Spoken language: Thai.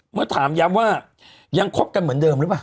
เมื่อถามย้ำว่ายังคบกันเหมือนเดิมหรือเปล่า